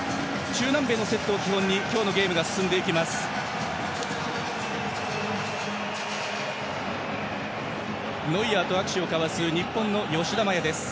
中南米のセットを基本に今日のゲームが進んでいきます。